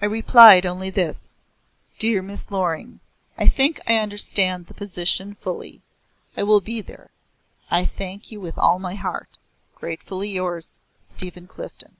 I replied only this: Dear Miss Loring, I think I understand the position fully. I will be there. I thank you with all my heart. Gratefully yours, STEPHEN CLIFDEN.